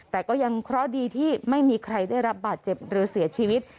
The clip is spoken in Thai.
แต่ก็ยังเคราะห์ดีที่ไม่มีใครได้รับบาดเจ็บหรือเสียชีวิต